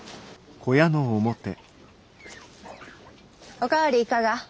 お代わりいかが？